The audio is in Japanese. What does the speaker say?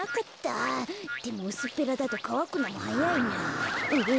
でもうすっぺらだとかわくのもはやいなぁ。